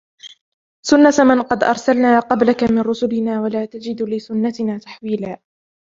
سنة من قد أرسلنا قبلك من رسلنا ولا تجد لسنتنا تحويلا